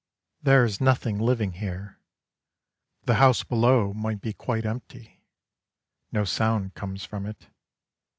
There is nothing living here, The house below might be quite empty, No sound comes from it.